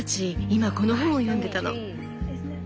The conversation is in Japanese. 今この本を読んでたの。